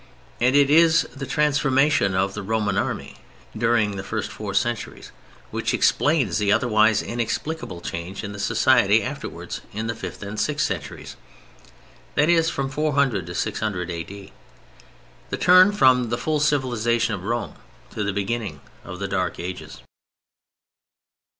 And it is the transformation of the Roman Army during the first four centuries which explains the otherwise inexplicable change in society just afterwards, in the fifth and sixth centuries—that is, from 400 to 600 A.D. The turn from the full civilization of Rome to the beginning of the Dark Ages.